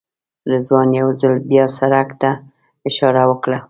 رضوان یو ځل بیا سړک ته اشاره وکړه.